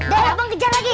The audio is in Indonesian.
dari bang kejar lagi